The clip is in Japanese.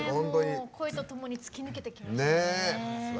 声とともに突き抜けてきましたね。